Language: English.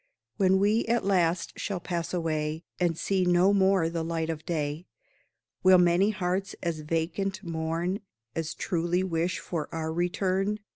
When we, at last, shall pass away, And see no more the light of day, Will many hearts as vacant mourn As truly wish for our return?